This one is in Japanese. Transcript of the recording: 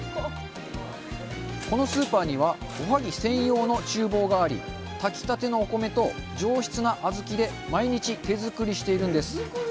このスーパーにはおはぎ専用の厨房があり炊きたてのお米と上質な小豆で毎日、手作りしているんです。